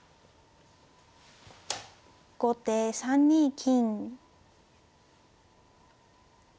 後手３二金。